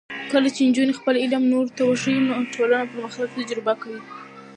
کله چې نجونې خپل علم نورو ته وښيي، نو ټولنه پرمختګ تجربه کوي.